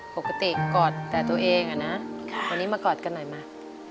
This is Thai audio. ปกติกอดแต่ตัวเองอะนะวันนี้มากอดกันหน่อยมา